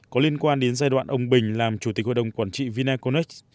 có liên quan đến giai đoạn ông bình làm chủ tịch hội đồng quản trị vinaconex